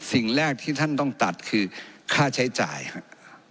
สิ่งแรกที่ท่านต้องตัดคือค่าใช้จ่ายครับ